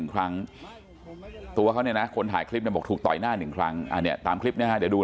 ๑ครั้งตัวเขาเนี่ยนะคนถ่ายคลิปเนี่ยบอกถูกต่อยหน้า๑ครั้งอันนี้ตามคลิปเนี่ยฮะเดี๋ยวดู